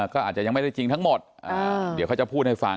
ก็อาจจะยังไม่ได้จริงทั้งหมดเดี๋ยวเขาจะพูดให้ฟัง